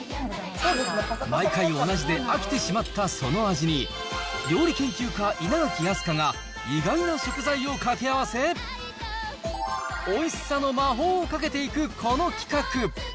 毎回同じで飽きてしまったその味に、料理研究家、稲垣飛鳥が、意外な食材を掛け合わせ、おいしさの魔法をかけていくこの企画。